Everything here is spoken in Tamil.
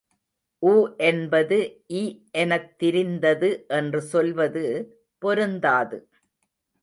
உ என்பது இ எனத் திரிந்தது என்று சொல்வது பொருந்தாது.